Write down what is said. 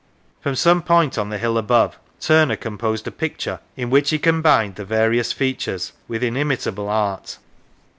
From some point on the hill above, Turner composed a picture in which he combined the various features with inimitable art.